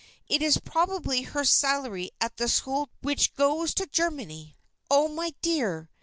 It is probably her salary at the school which goes to Germany. Oh, my dear!